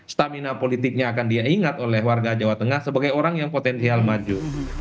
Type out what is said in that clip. stamina politiknya akan dia ingat oleh warga jawa tengah sebagai orang yang potensial maju